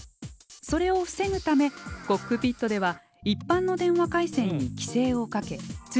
それを防ぐためコックピットでは一般の電話回線に規制をかけ通信量を制限します。